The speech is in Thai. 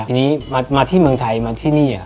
ทีนี้มาที่เมืองไทยมาที่นี่